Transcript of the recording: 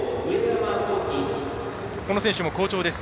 この選手も好調です。